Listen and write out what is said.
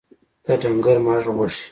د ډنګر مږ غوښي